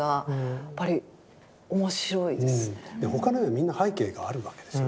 他の絵はみんな背景があるわけですよ